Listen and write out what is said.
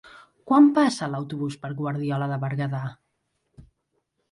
Quan passa l'autobús per Guardiola de Berguedà?